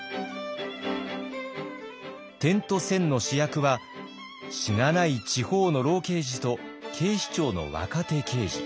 「点と線」の主役はしがない地方の老刑事と警視庁の若手刑事。